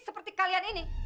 seperti kalian ini